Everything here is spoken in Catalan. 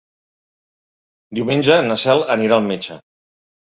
Diumenge na Cel anirà al metge.